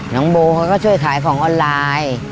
น้องโบเขาก็ช่วยขายของออนไลน์